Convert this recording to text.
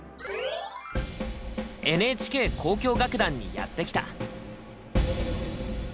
ＮＨＫ交響楽団にやってきた。